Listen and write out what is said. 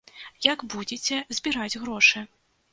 Як будзеце збіраць грошы?